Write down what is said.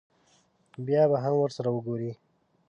بیا به هم ورسره وګوري.